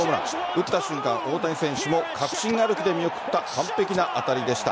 打った瞬間、大谷選手も確信ありきで見送った完璧な当たりでした。